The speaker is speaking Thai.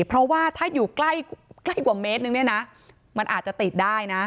เพราะว่าถ้าอยู่ใกล้ใกล้กว่าเมตรนึงเนี่ยนะมันอาจจะติดได้นะ